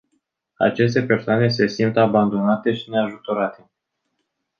Aceste persoane se simt abandonate și neajutorate.